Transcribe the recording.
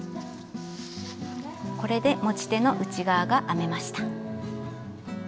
これで持ち手の内側が編めました。